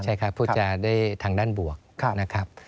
ใช่ครับพูดจาได้ทางด้านบวกนะครับ